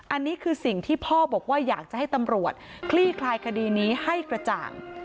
อันนี้คือสิ่งที่พ่อบอกว่าอยากจะให้ตำรวจคลี่คลายคดีนี้ให้กระจ่าง